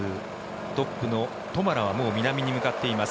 トップのトマラはもう南に向かっています。